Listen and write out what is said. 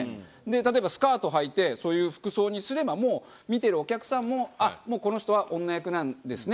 例えばスカートはいてそういう服装にすればもう見てるお客さんも「あっこの人は女役なんですね」。